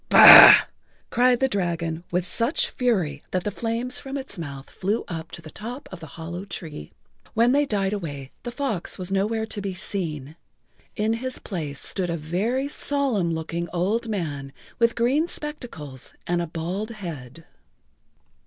"Bah!" cried the dragon with such fury that the flames from its mouth flew up to the top of the hollow tree. When they died away the fox was nowhere to be seen. In his place stood a very solemn looking old man with green spectacles and a bald head.